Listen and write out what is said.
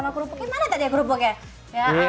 sama kerupuknya mana tadi ya kerupuknya